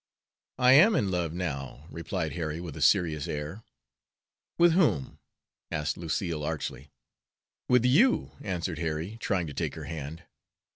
"I am in love now," replied Harry, with a serious air. "With whom?" asked Lucille, archly. "With you," answered Harry, trying to take her hand.